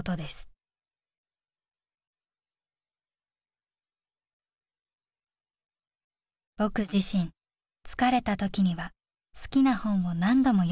「僕自身疲れた時には好きな本を何度も読むタイプです」。